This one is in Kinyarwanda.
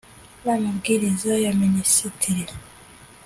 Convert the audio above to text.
n amabwiriza ya Minisitiri